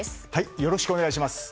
よろしくお願いします。